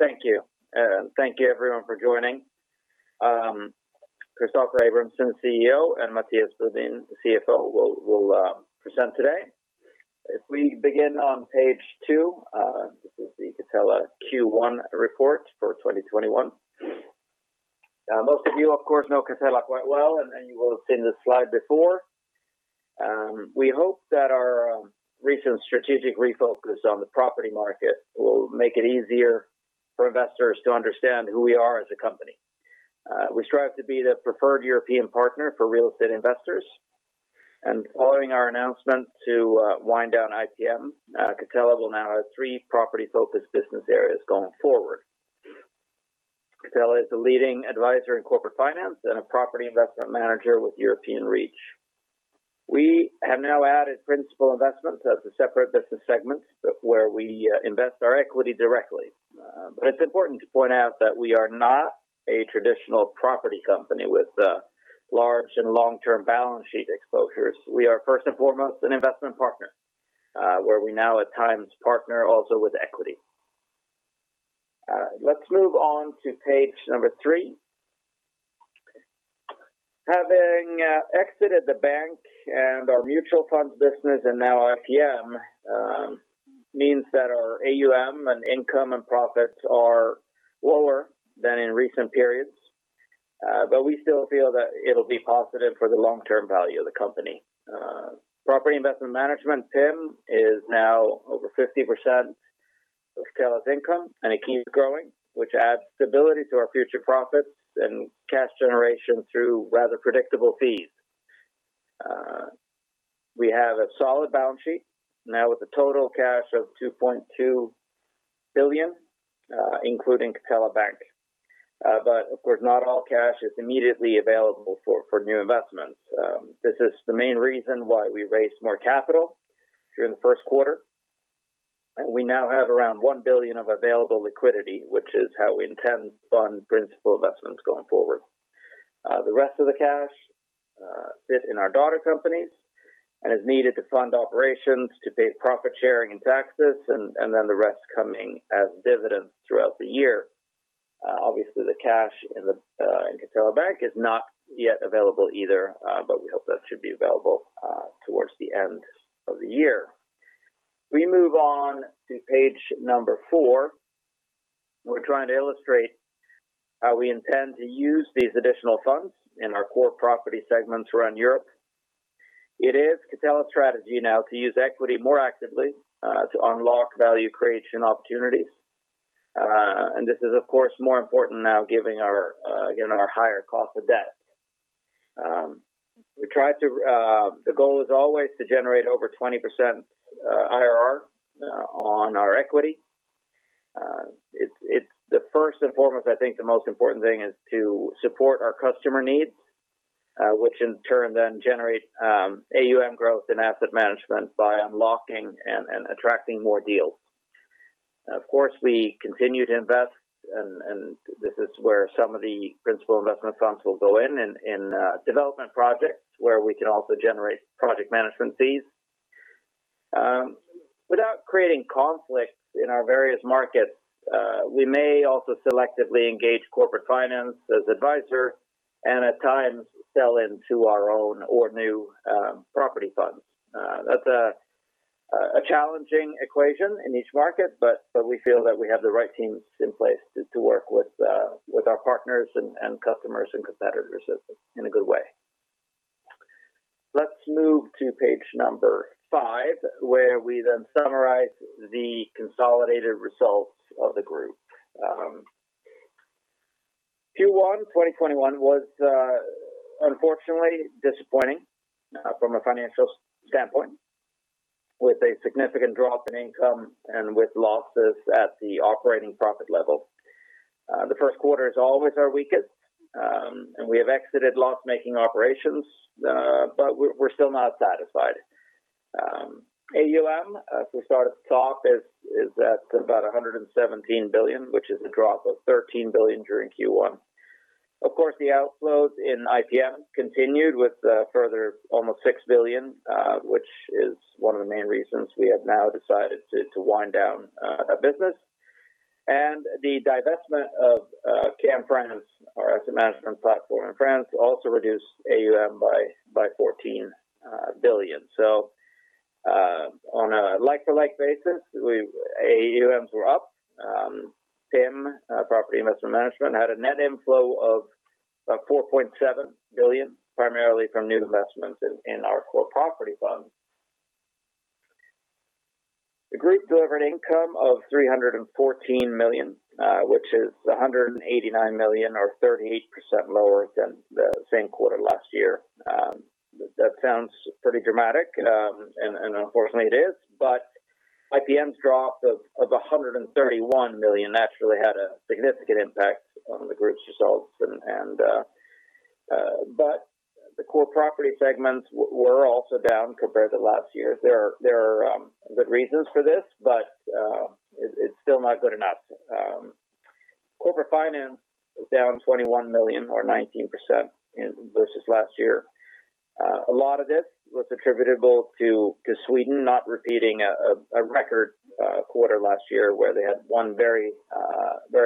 Thank you everyone for joining. Christoffer Abramson, CEO, and Mattias Brodin, the CFO, will present today. If we begin on page two this is the Catella Q1 report for 2021. Most of you, of course, know Catella quite well, and you will have seen this slide before. We hope that our recent strategic refocus on the property market will make it easier for investors to understand who we are as a company. We strive to be the preferred European partner for real estate investors, and following our announcement to wind down IPM, Catella will now have three property-focused business areas going forward. Catella is a leading advisor in corporate finance and a property investment manager with European reach. We have now added principal investments as a separate business segment where we invest our equity directly. It's important to point out that we are not a traditional property company with large and long-term balance sheet exposures. We are first and foremost an investment partner, where we now at times partner also with equity. Let's move on to page three. Having exited the Bank and our mutual funds business and now IPM, means that our AUM and income and profits are lower than in recent periods. We still feel that it'll be positive for the long-term value of the company. Property investment management, PIM, is now over 50% of Catella's income, and it keeps growing, which adds stability to our future profits and cash generation through rather predictable fees. We have a solid balance sheet now with a total cash of 2.2 billion, including Catella Bank. Of course, not all cash is immediately available for new investments. This is the main reason why we raised more capital during the first quarter. We now have around 1 billion of available liquidity, which is how we intend to fund principal investments going forward. The rest of the cash sits in our daughter companies and is needed to fund operations to pay profit sharing and taxes and then the rest coming as dividends throughout the year. Obviously, the cash in Catella Bank is not yet available either, but we hope that should be available towards the end of the year. We move on to page number four. We're trying to illustrate how we intend to use these additional funds in our core property segments around Europe. It is Catella strategy now to use equity more actively to unlock value creation opportunities. This is, of course, more important now given our higher cost of debt. The goal is always to generate over 20% IRR on our equity. The first and foremost, I think the most important thing is to support our customer needs, which in turn then generate AUM growth in asset management by unlocking and attracting more deals. Of course, we continue to invest, and this is where some of the principal investment funds will go in development projects where we can also generate project management fees. Without creating conflicts in our various markets, we may also selectively engage corporate finance as advisor and at times sell into our own or new property funds. That's a challenging equation in each market, but we feel that we have the right teams in place to work with our partners and customers and competitors in a good way. Let's move to page number five, where we then summarize the consolidated results of the group. Q1 2021 was unfortunately disappointing from a financial standpoint with a significant drop in income and with losses at the operating profit level. The first quarter is always our weakest and we're still not satisfied. AUM, as we started to talk, is at about 117 billion, which is a drop of 13 billion during Q1. Of course, the outflows in IPM continued with a further almost 6 billion which is one of the main reasons we have now decided to wind down our business. The divestment of CAIM France, our asset management platform in France, also reduced AUM by 14 billion. On a like-to-like basis, AUMs were up. PIM, property investment management, had a net inflow of 4.7 billion primarily from new investments in our core property funds. The group delivered income of 314 million, which is 189 million or 38% lower than the same quarter last year. That sounds pretty dramatic, and unfortunately, it is. IPM's drop of 131 million naturally had a significant impact on the group's results, but the core property segments were also down compared to last year. There are good reasons for this, but it's still not good enough. Corporate finance was down 21 million, or 19%, versus last year. A lot of this was attributable to Sweden not repeating a record quarter last year where they had one very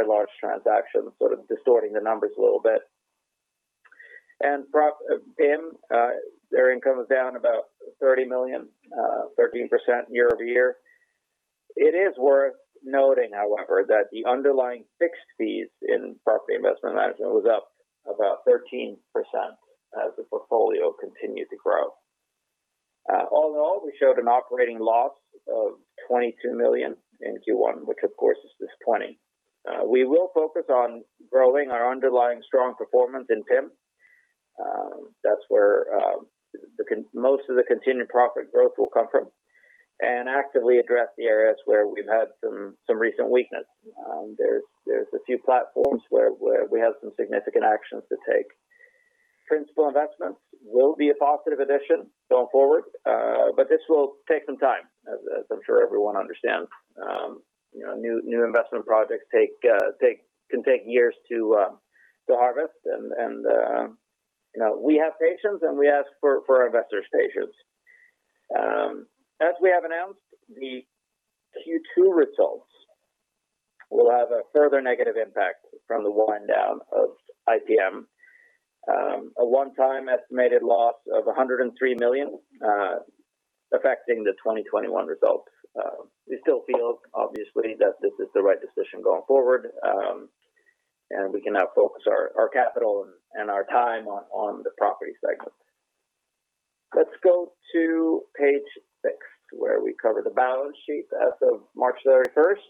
large transaction sort of distorting the numbers a little bit. PIM, their income was down about 30 million, 13% year-over-year. It is worth noting, however, that the underlying fixed fees in property investment management was up about 13% as the portfolio continued to grow. All in all, we showed an operating loss of 22 million in Q1, which of course is disappointing. We will focus on growing our underlying strong performance in PIM. That's where most of the continued profit growth will come from, and actively address the areas where we've had some recent weakness. There's a few platforms where we have some significant actions to take. Principal investments will be a positive addition going forward, but this will take some time, as I'm sure everyone understands. New investment projects can take years to harvest and we have patience and we ask for our investors' patience. As we have announced, the Q2 results will have a further negative impact from the wind down of IPM, a one-time estimated loss of 103 million affecting the 2021 results. We still feel, obviously, that this is the right decision going forward, and we can now focus our capital and our time on the property segment. Let's go to page six, where we cover the balance sheet as of March 31st.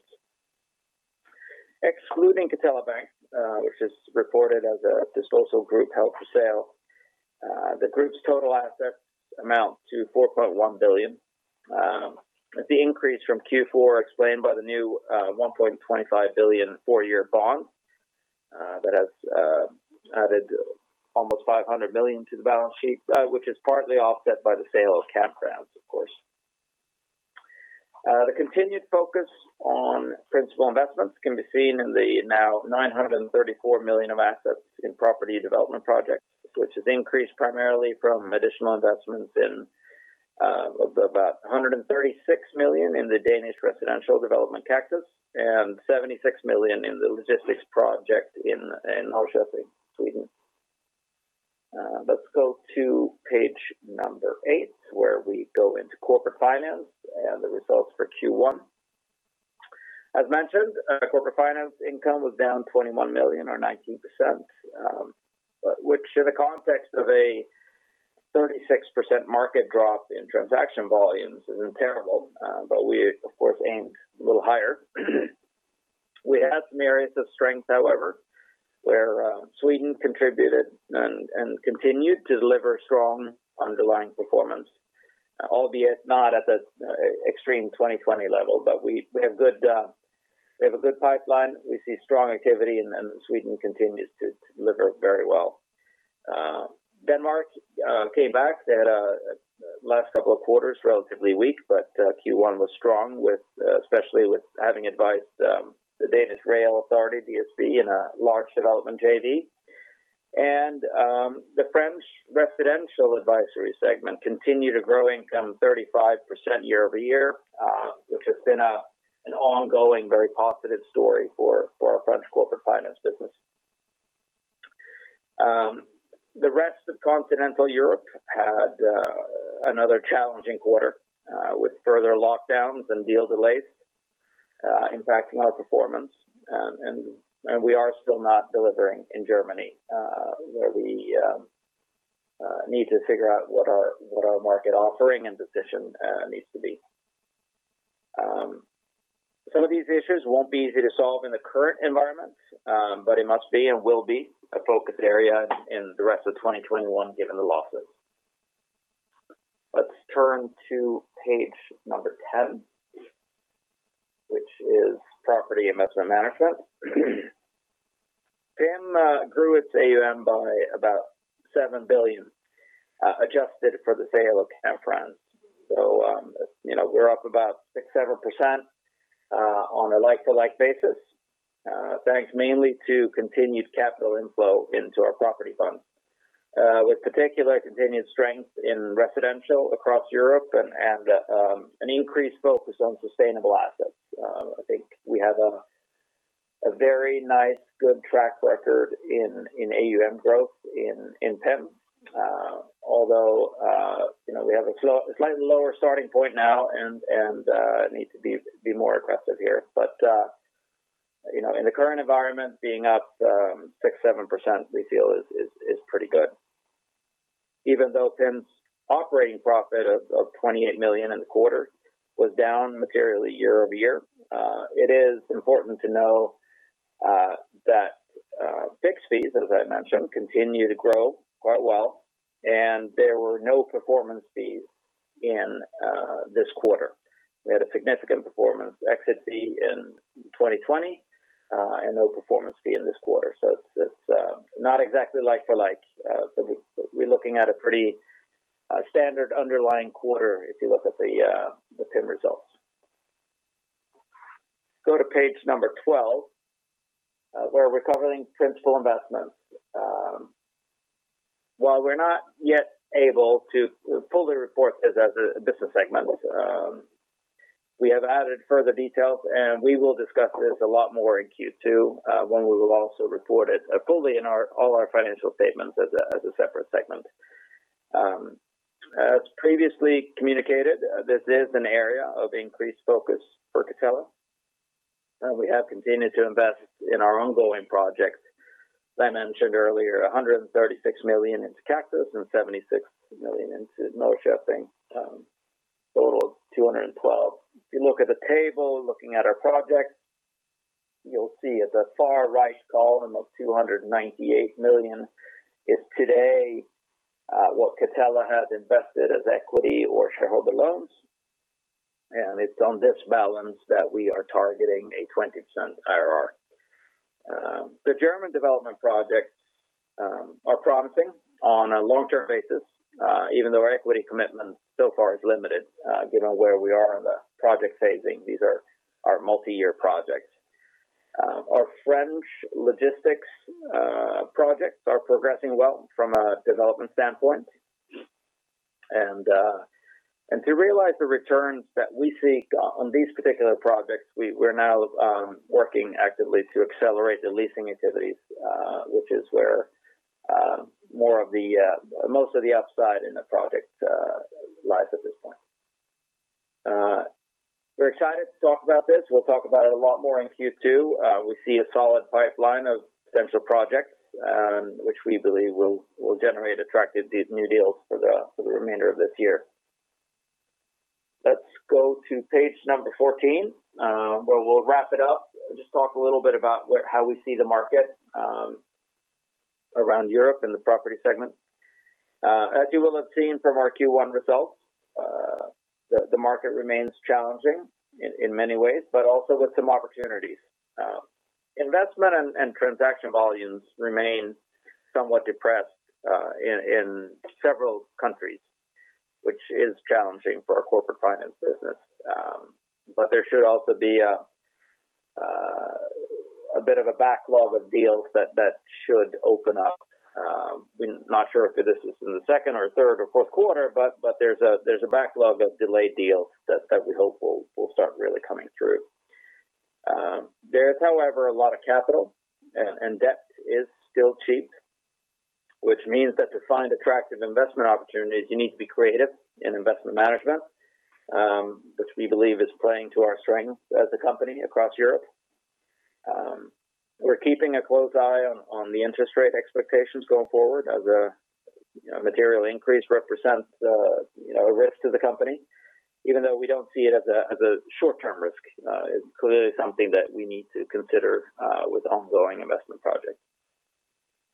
Excluding Catella Bank, which is reported as a disposal group held for sale, the group's total assets amount to 4.1 billion. The increase from Q4 explained by the new 1.25 billion four-year bond that has added almost 500 million to the balance sheet, which is partly offset by the sale of CAIM France, of course. The continued focus on principal investments can be seen in the now 934 million of assets in property development projects, which has increased primarily from additional investments in about 136 million in the Danish residential development, Kaktus Towers, and 76 million in the logistics project in Norrköping, Sweden. Let's go to page eight, where we go into corporate finance and the results for Q1. As mentioned, corporate finance income was down 21 million or 19%, which in the context of a 36% market drop in transaction volumes isn't terrible, but we, of course, aimed a little higher. We had some areas of strength, however, where Sweden contributed and continued to deliver strong underlying performance, albeit not at the extreme 2020 level, but we have a good pipeline. We see strong activity and Sweden continues to deliver very well. Denmark came back. They had last couple of quarters relatively weak, but Q1 was strong, especially with having advised the Danish Rail Authority, DSB, in a large development JV. The French residential advisory segment continued to grow income 35% year-over-year, which has been an ongoing, very positive story for our French corporate finance business. The rest of continental Europe had another challenging quarter with further lockdowns and deal delays impacting our performance. We are still not delivering in Germany, where we need to figure out what our market offering and position needs to be. Some of these issues won't be easy to solve in the current environment, but it must be and will be a focus area in the rest of 2021 given the losses. Let's turn to page number 10, which is property investment management. PIM grew its AUM by about 7 billion, adjusted for the sale of CAIM France. We're up about 6%-7% on a like-to-like basis, thanks mainly to continued capital inflow into our property funds. With particular continued strength in residential across Europe and an increased focus on sustainable assets, I think we have a very nice, good track record in AUM growth in PIM. Although we have a slightly lower starting point now and need to be more aggressive here. In the current environment, being up 6%-7% we feel is pretty good. Even though PIM's operating profit of 28 million in the quarter was down materially year-over-year, it is important to know that fixed fees, as I mentioned, continue to grow quite well, and there were no performance fees in this quarter. We had a significant performance exit fee in 2020, and no performance fee in this quarter. It's not exactly like-for-like. We're looking at a pretty standard underlying quarter, if you look at the PIM results. Go to page number 12, where recovering principal investments. While we're not yet able to fully report this as a business segment, we have added further details, and we will discuss this a lot more in Q2, when we will also report it fully in all our financial statements as a separate segment. As previously communicated, this is an area of increased focus for Catella, and we have continued to invest in our ongoing projects. I mentioned earlier, 136 million into Kaktus Towers and 76 million into Norrköping, total of 212 million. If you look at the table, looking at our projects, you'll see at the far right column of 298 million is today what Catella has invested as equity or shareholder loans. It's on this balance that we are targeting a 20% IRR. The German development projects are promising on a long-term basis, even though our equity commitment so far is limited, given where we are in the project phasing. These are our multi-year projects. Our French logistics projects are progressing well from a development standpoint. To realize the returns that we seek on these particular projects, we're now working actively to accelerate the leasing activities, which is where most of the upside in the project lies at this point. We're excited to talk about this. We'll talk about it a lot more in Q2. We see a solid pipeline of potential projects, which we believe will generate attractive new deals for the remainder of this year. Let's go to page number 14, where we'll wrap it up. Just talk a little bit about how we see the market around Europe and the property segment. As you will have seen from our Q1 results, the market remains challenging in many ways, but also with some opportunities. Investment and transaction volumes remain somewhat depressed in several countries, which is challenging for our corporate finance business. There should also be a bit of a backlog of deals that should open up. We're not sure if this is in the second or third or fourth quarter, but there's a backlog of delayed deals that we hope will start really coming through. There is, however, a lot of capital, and debt is still cheap, which means that to find attractive investment opportunities, you need to be creative in investment management, which we believe is playing to our strength as a company across Europe. We're keeping a close eye on the interest rate expectations going forward as a material increase represents a risk to the company, even though we don't see it as a short-term risk. It's clearly something that we need to consider with ongoing investment projects.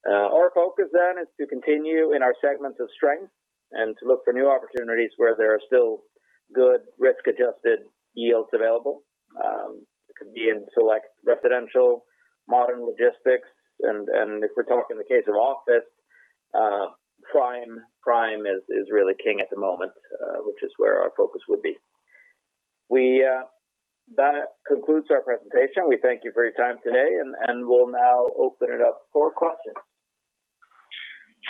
Our focus then is to continue in our segments of strength and to look for new opportunities where there are still good risk-adjusted yields available. It could be in select residential, modern logistics, and if we're talking the case of office, prime is really king at the moment, which is where our focus would be. That concludes our presentation, we thank you for your time today, and we'll now open it up for questions.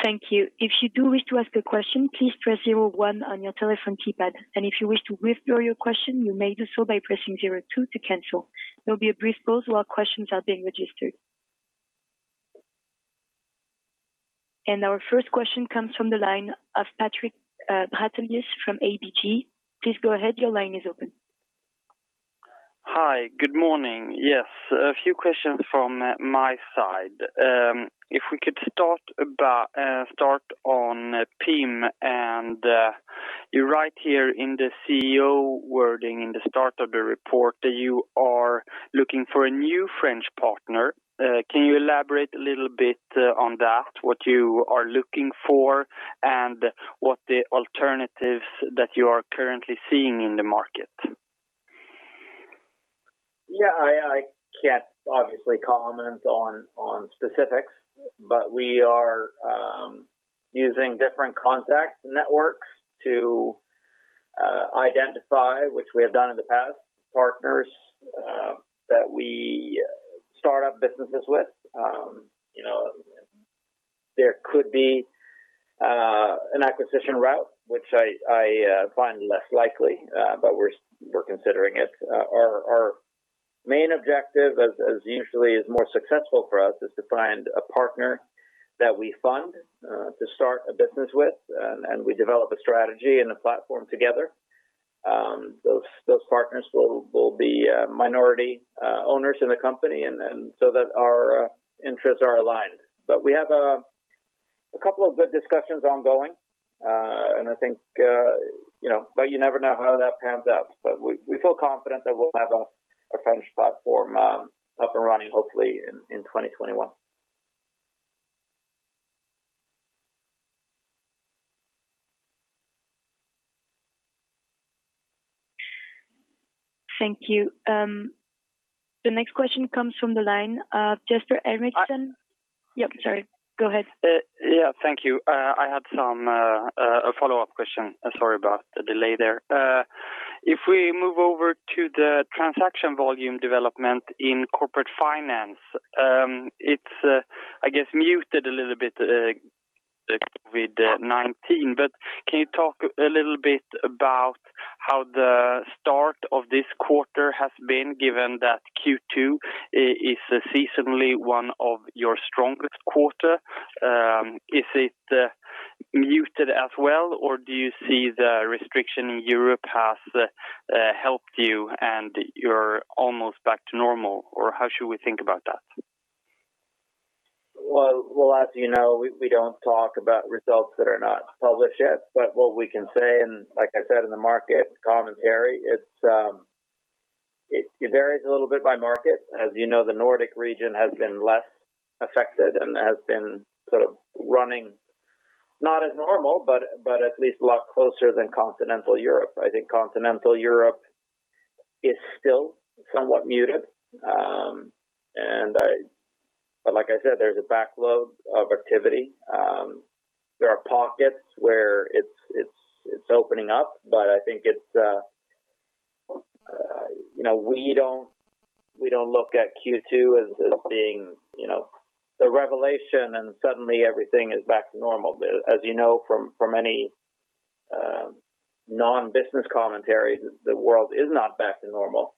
Thank you. If you do wish to ask a question, please press zero one on your telephone keypad. If you wish to withdraw your question, you may do so by pressing zero two to cancel. There'll be a brief pause while questions are being registered. Our first question comes from the line of Patrik Brattelius from ABG. Please go ahead. Your line is open. Hi, good morning. Yes, a few questions from my side. If we could start on PIM, you write here in the CEO wording in the start of the report that you are looking for a new French partner. Can you elaborate a little bit on that, what you are looking for and what the alternatives that you are currently seeing in the market? Yeah, I can't obviously comment on specifics. We are using different contact networks to identify, which we have done in the past, partners that we start up businesses with. There could be an acquisition route, which I find less likely. We're considering it. Our main objective, as usually is more successful for us, is to find a partner that we fund to start a business with. We develop a strategy and a platform together. Those partners will be minority owners in the company, so that our interests are aligned. We have a couple of good discussions ongoing. You never know how that pans out. We feel confident that we'll have a French platform up and running, hopefully in 2021. Thank you. The next question comes from the line of Jesper Henriksson. Yep, sorry. Go ahead. Yeah, thank you. I had a follow-up question. Sorry about the delay there. If we move over to the transaction volume development in corporate finance, it's, I guess, muted a little bit with COVID-19. Can you talk a little bit about how the start of this quarter has been, given that Q2 is seasonally one of your strongest quarter? Is it muted as well, or do you see the restriction in Europe has helped you, and you're almost back to normal? How should we think about that? Well, as you know, we don't talk about results that are not published yet. What we can say, and like I said in the market commentary, it varies a little bit by market. As you know, the Nordic region has been less affected and has been sort of running not as normal, but at least a lot closer than continental Europe. I think continental Europe is still somewhat muted. Like I said, there's a backload of activity. There are pockets where it's opening up. I think we don't look at Q2 as it being the revelation, and suddenly everything is back to normal. As you know, from any non-business commentary, the world is not back to normal.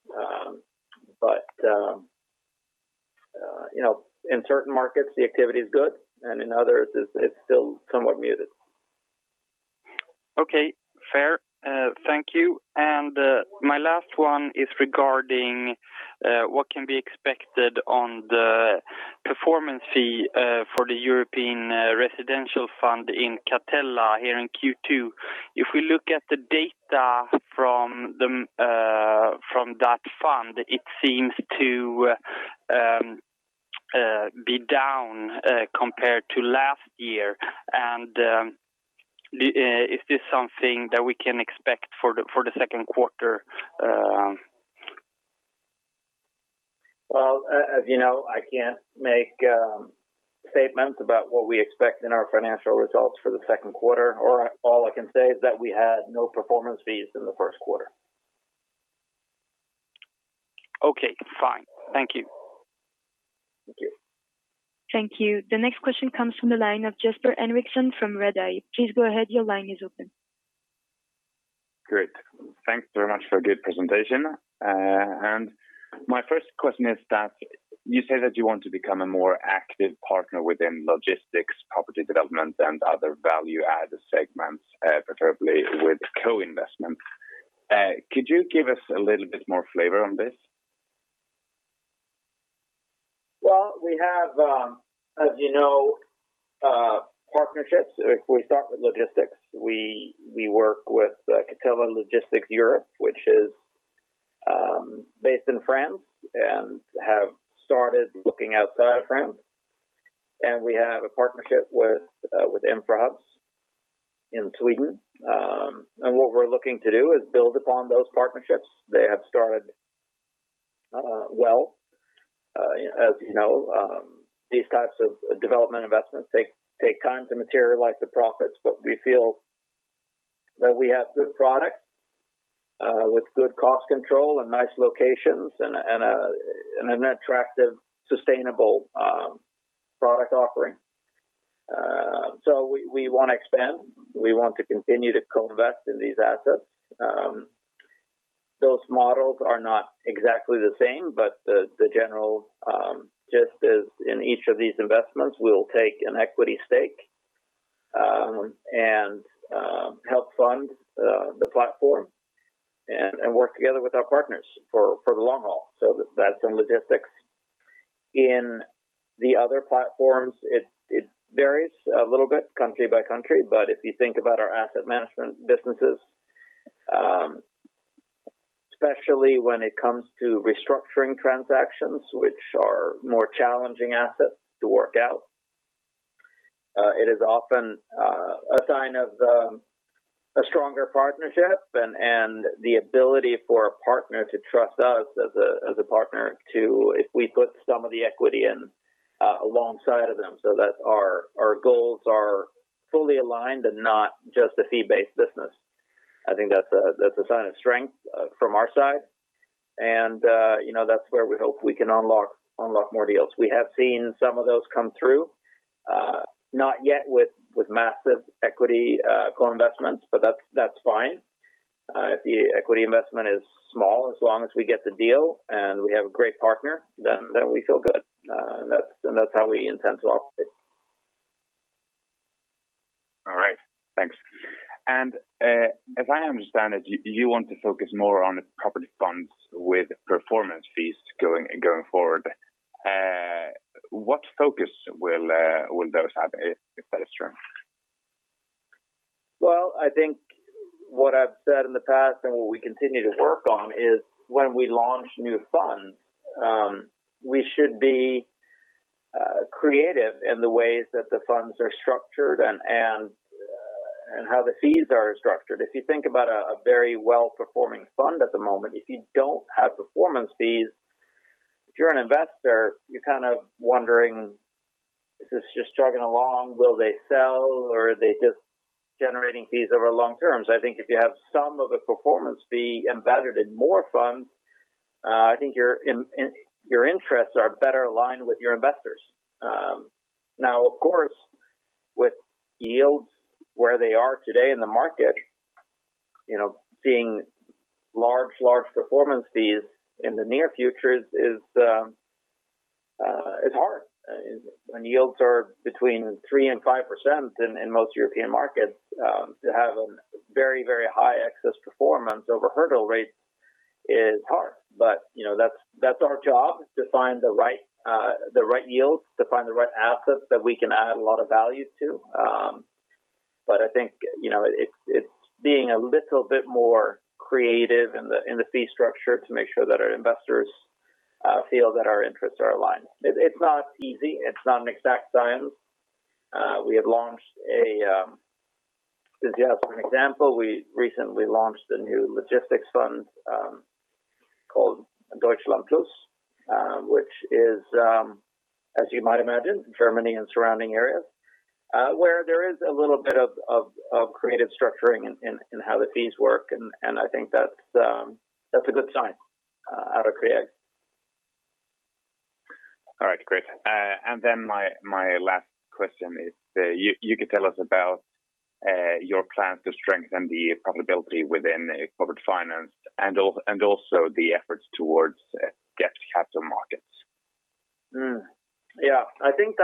In certain markets, the activity is good, and in others, it's still somewhat muted. Okay, fair. Thank you. My last one is regarding what can be expected on the performance fee for the European Residential in Catella here in Q2. If we look at the data from that fund, it seems to be down compared to last year. Is this something that we can expect for the second quarter? Well, as you know, I can't make statements about what we expect in our financial results for the second quarter, or all I can say is that we had no performance fees in the first quarter. Okay, fine. Thank you. Thank you. Thank you. The next question comes from the line of Jesper Henriksson from Redeye. Please go ahead. Your line is open. Great, thanks very much for a good presentation. My first question is that you say that you want to become a more active partner within logistics, property development, and other value-added segments, preferably with co-investment. Could you give us a little bit more flavor on this? Well, we have, as you know, partnerships. If we start with logistics, we work with Catella Logistics Europe, which is based in France and have started looking outside of France. We have a partnership with Infrahubs in Sweden. What we're looking to do is build upon those partnerships. They have started well. As you know, these types of development investments, they take time to materialize the profits. We feel that we have good product with good cost control and nice locations and an attractive, sustainable product offering. We want to expand. We want to continue to co-invest in these assets. Those models are not exactly the same, but the general gist is in each of these investments, we'll take an equity stake and help fund the platform and work together with our partners for the long haul. That's in logistics. In the other platforms, it varies a little bit country by country. If you think about our asset management businesses, especially when it comes to restructuring transactions, which are more challenging assets to work out, it is often a sign of a stronger partnership and the ability for a partner to trust us as a partner if we put some of the equity in alongside of them so that our goals are fully aligned and not just a fee-based business. I think that's a sign of strength from our side, and that's where we hope we can unlock more deals. We have seen some of those come through, not yet with massive equity co-investments, but that's fine. If the equity investment is small, as long as we get the deal and we have a great partner, then we feel good. That's how we intend to operate. All right, thanks. As I understand it, you want to focus more on the property funds with performance fees going forward. What focus will those have if that is true? Well, I think what I've said in the past and what we continue to work on is when we launch new funds, we should be creative in the ways that the funds are structured and how the fees are structured. If you think about a very well-performing fund at the moment, if you don't have performance fees, if you're an investor, you're kind of wondering, is this just chugging along? Will they sell or are they just generating fees over long term? I think if you have some of the performance fee embedded in more funds, I think your interests are better aligned with your investors. Now, of course, with yields where they are today in the market, seeing large performance fees in the near future is hard. When yields are between 3% and 5% in most European markets, to have a very high excess performance over hurdle rates is hard. That's our job, is to find the right yields, to find the right assets that we can add a lot of value to. I think it's being a little bit more creative in the fee structure to make sure that our investors feel that our interests are aligned. It's not easy, it's not an exact science. Just as an example, we recently launched a new logistics fund called Deutschland Plus which is, as you might imagine, Germany and surrounding areas, where there is a little bit of creative structuring in how the fees work, and I think that's a good sign out of Catella. All right, great. My last question is, you could tell us about your plans to strengthen the profitability within corporate finance and also the efforts towards debt capital markets. I think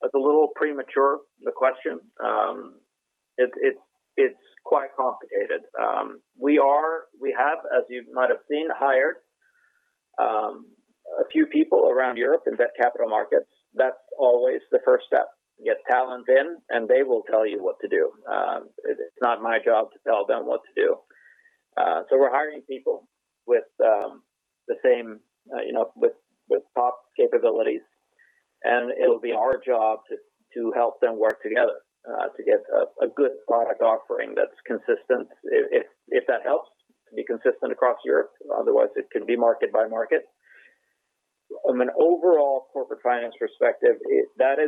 that's a little premature, the question. It's quite complicated. We have, as you might have seen, hired a few people around Europe in debt capital markets. That's always the first step, get talent in and they will tell you what to do. It's not my job to tell them what to do. We're hiring people with top capabilities, and it'll be our job to help them work together to get a good product offering that's consistent, if that helps, to be consistent across Europe. Otherwise, it could be market by market. From an overall corporate finance perspective, that's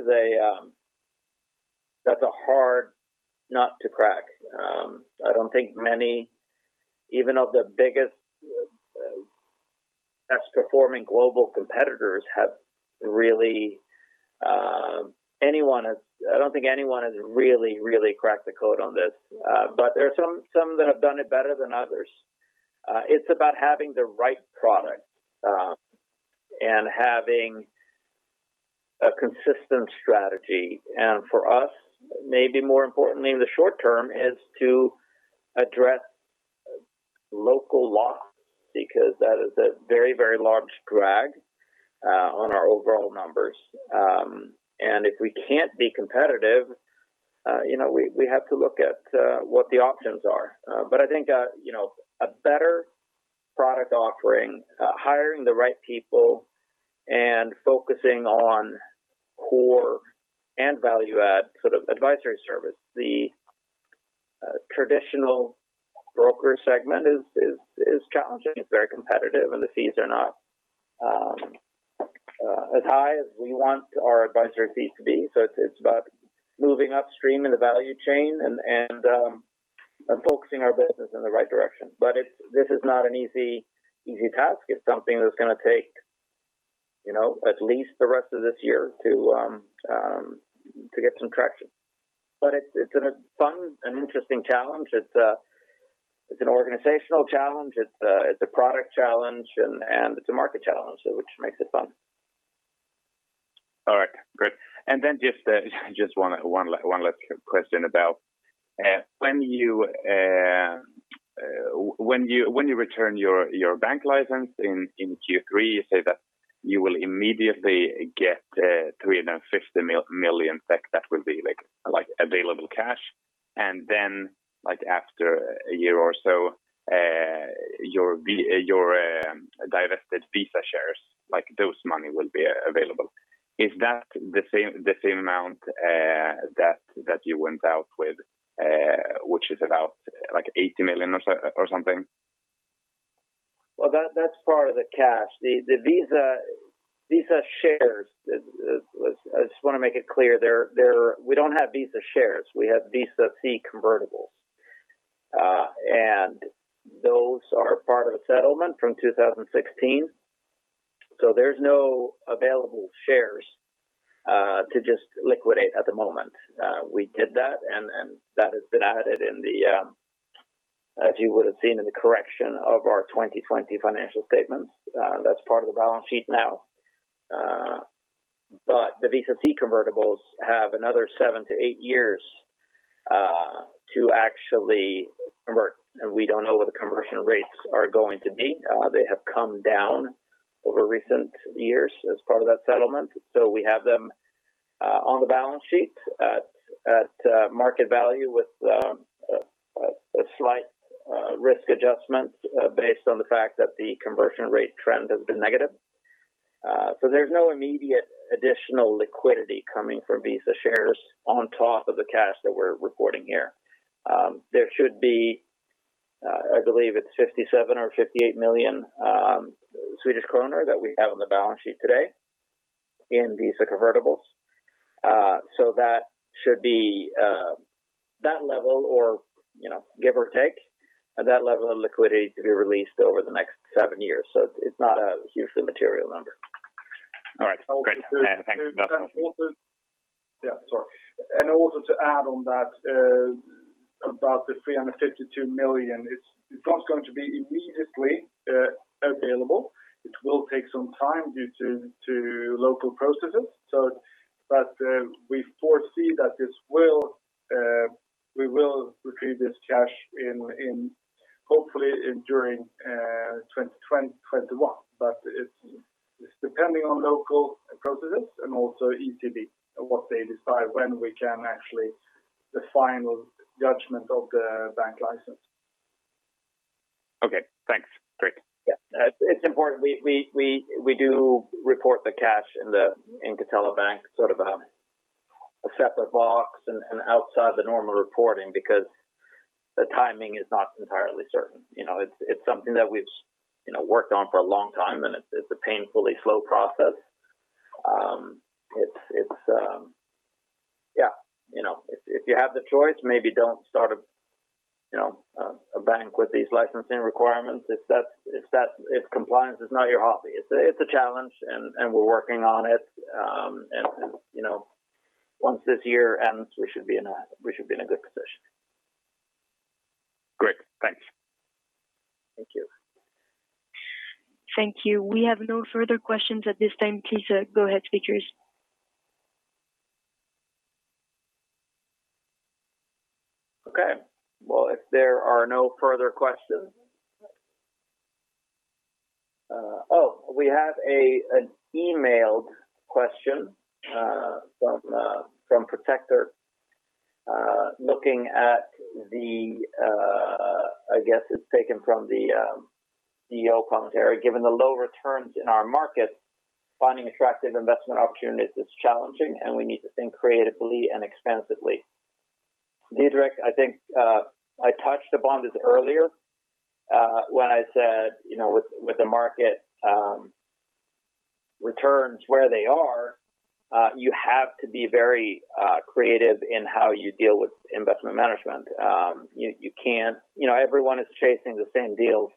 a hard nut to crack. I don't think anyone has really cracked the code on this. There are some that have done it better than others. It's about having the right product, having a consistent strategy. For us, maybe more importantly in the short term, is to address local losses, because that is a very large drag on our overall numbers. If we can't be competitive, we have to look at what the options are. I think a better product offering, hiring the right people, and focusing on core and value add sort of advisory service. The traditional broker segment is challenging. It's very competitive, and the fees are not as high as we want our advisory fees to be. It's about moving upstream in the value chain and focusing our business in the right direction. This is not an easy task, it's something that's going to take at least the rest of this year to get some traction. It's been a fun and interesting challenge. It's an organizational challenge, it's a product challenge, and it's a market challenge, which makes it fun. All right, great. Just one last question about when you return your bank license in Q3, you say that you will immediately get 350 million SEK that will be available cash. After a year or so, your divested Visa shares, those money will be available. Is that the same amount that you went out with, which is about 80 million or something? That's part of the cash. The Visa shares, I just want to make it clear, we don't have Visa shares. We have Visa C convertibles. Those are part of a settlement from 2016. There's no available shares to just liquidate at the moment. We did that, and that has been added in the, as you would've seen, in the correction of our 2020 financial statements. That's part of the balance sheet now. The Visa C convertibles have another seven to eight years to actually convert, and we don't know what the conversion rates are going to be. They have come down over recent years as part of that settlement. We have them on the balance sheet at market value with slight risk adjustments based on the fact that the conversion rate trend has been negative. There's no immediate additional liquidity coming from Visa shares on top of the cash that we're reporting here. There should be, I believe it's 57 million or 58 million Swedish kronor that we have on the balance sheet today in Visa convertibles. That should be that level or give or take, that level of liquidity to be released over the next seven years. It's not a hugely material number. All right, great. Thank you. Yeah, sorry. Also to add on that, about the 352 million, it's not going to be immediately available. It will take some time due to local processes. We foresee that we will retrieve this cash hopefully during 2021, but it's depending on local processes and also ECB, what they decide when we can actually The final judgment of the bank license. Okay, thanks. Great. Yeah. It's important. We do report the cash in Catella Bank, sort of a separate box and outside the normal reporting because the timing is not entirely certain. It's something that we've worked on for a long time, and it's a painfully slow process. If you have the choice, maybe don't start a bank with these licensing requirements if compliance is not your hobby. It's a challenge, and we're working on it. Once this year ends, we should be in a good position. Great, thanks. Thank you. Thank you. We have no further questions at this time. Please go ahead, speakers. Okay. Well, if there are no further questions. Oh, we have an emailed question from Protector. I guess it's taken from the CEO commentary. Given the low returns in our market, finding attractive investment opportunities is challenging, and we need to think creatively and expansively. Patrik, I think, I touched upon this earlier, when I said, with the market returns where they are, you have to be very creative in how you deal with investment management. Everyone is chasing the same deals,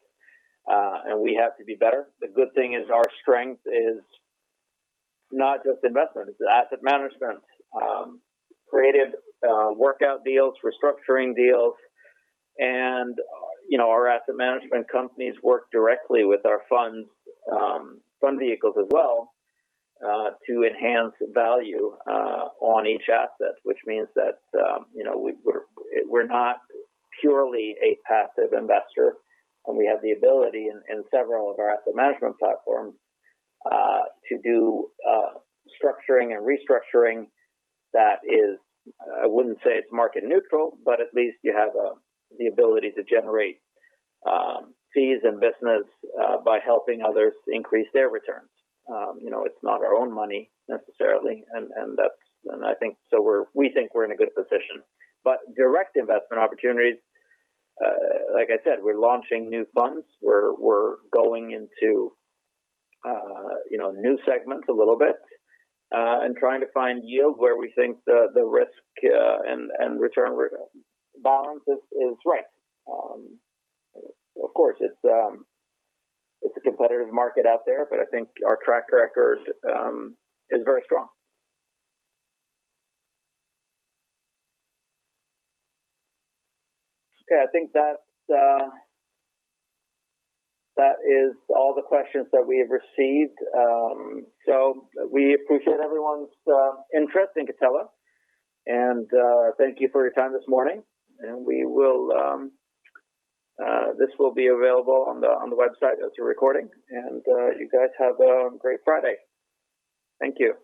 and we have to be better. The good thing is our strength is not just investment, it's asset management, creative workout deals, restructuring deals. Our asset management companies work directly with our fund vehicles as well to enhance value on each asset, which means that we're not purely a passive investor, and we have the ability in several of our asset management platforms to do structuring and restructuring that is, I wouldn't say it's market neutral, but at least you have the ability to generate fees and business by helping others increase their returns. It's not our own money necessarily, and we think we're in a good position. Direct investment opportunities, like I said, we're launching new funds. We're going into new segments a little bit, and trying to find yield where we think the risk and return balance is right. Of course, it's a competitive market out there, but I think our track record is very strong. Okay. I think that is all the questions that we have received. We appreciate everyone's interest in Catella, and thank you for your time this morning. This will be available on the website as a recording, and you guys have a great Friday. Thank you.